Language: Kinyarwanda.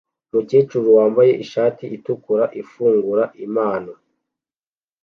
Umukecuru wambaye ishati itukura ifungura impano